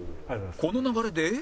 この流れで